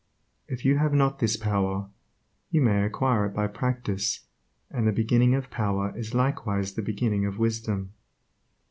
If you have not this power, you may acquire it by practice, and the beginning of power is likewise the beginning of wisdom.